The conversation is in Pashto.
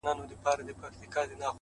په مټي چي وكړه ژړا پر ځـنـگانــه ـ